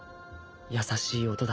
優しい音だ